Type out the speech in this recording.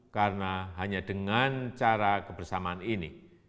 karena hanya dengan cara kebersamaan ini